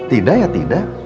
tidak ya tidak